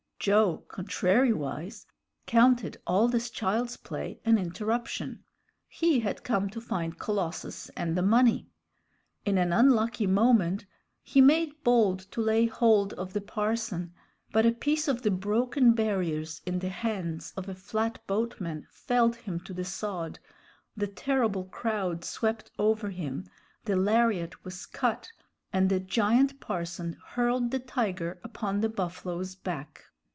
Joe, contrariwise, counted all this child's play an interruption. He had come to find Colossus and the money. In an unlucky moment he made bold to lay hold of the parson, but a piece of the broken barriers in the hands of a flatboatman felled him to the sod, the terrible crowd swept over him, the lariat was cut, and the giant parson hurled the tiger upon the buffalo's back.